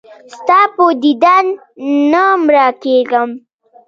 ستا په دیدن نه مړه کېږم.